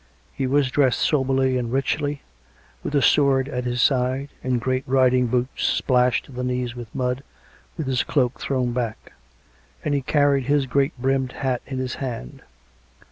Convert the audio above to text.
He was dressed soberly and richly, with a sword at his side, in great riding boots splashed to the knees with mud, with his cloak thrown back; and he carried his great brimmed hat in his hand.